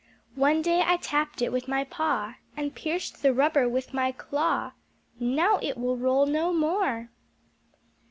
One day I tapped it with my paw And pierced the rubber with my claw; Now it will roll no more.